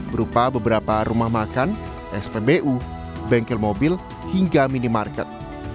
berupa beberapa rumah makan spbu bengkel mobil hingga minimarket